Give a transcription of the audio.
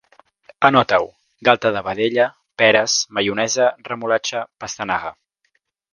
Anotau: galta de vedella, peres, maionesa, remolatxa, pastanaga